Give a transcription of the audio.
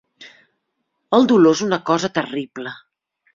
El dolor és una cosa terrible.